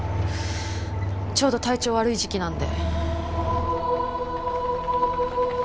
ちょうど体調悪い時期なんで。